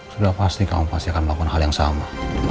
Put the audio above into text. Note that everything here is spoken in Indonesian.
sudah pasti kamu pasti akan melakukan hal yang sama